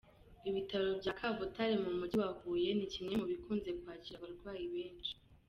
Ibitaro bya Kabutare mu mujyi wa Huye ni kimwe mu bikunze kwakira abarwayi benshi.